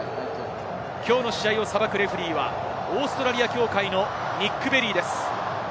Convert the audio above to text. きょうの試合をさばくレフェリーは、オーストラリア協会のニック・ベリーです。